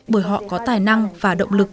bởi họ có tài năng và động lực